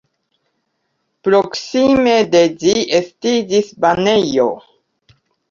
Proksime de ĝi estiĝis banejo.